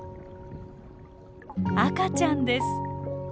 赤ちゃんです！